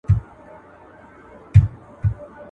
• د زړه سوى، د کوني سوى.